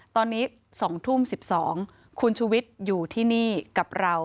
ตอนนี้๒ทุ่ม๑๒คุณชุวิตอยู่ที่นี่กับเรา